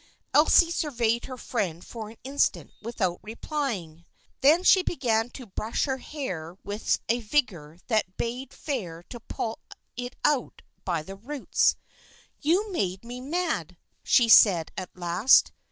Elsie surveyed her friend for an instant without replying. Then she began to brush her hair with a vigor that bade fair to pull it out by the roots. " You make me mad," she said at last.